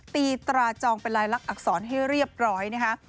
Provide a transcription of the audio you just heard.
ตีตราจองเป็นลายลักษรให้เรียบร้อยนะคะ